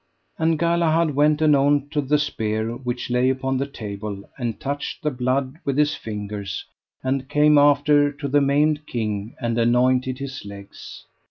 And Galahad went anon to the spear which lay upon the table, and touched the blood with his fingers, and came after to the Maimed King and anointed his legs.